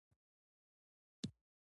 د دسمال راوړل د کوژدې نښه ده.